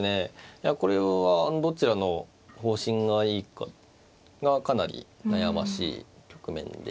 いやこれはどちらの方針がいいかがかなり悩ましい局面で。